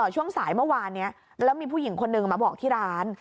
ช่วงสายเมื่อวานนี้แล้วมีผู้หญิงคนหนึ่งมาบอกที่ร้าน